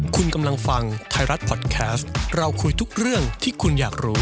คุณกำลังฟังไทยรัฐพอดแคสต์เราคุยทุกเรื่องที่คุณอยากรู้